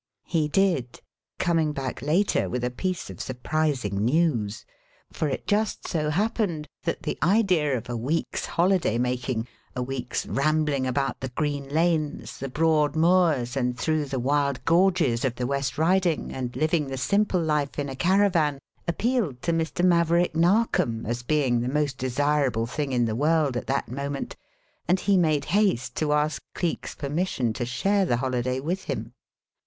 He did coming back later with a piece of surprising news. For it just so happened that the idea of a week's holiday making, a week's rambling about the green lanes, the broad moors, and through the wild gorges of the West Riding, and living the simple life in a caravan, appealed to Mr. Maverick Narkom as being the most desirable thing in the world at that moment, and he made haste to ask Cleek's permission to share the holiday with him.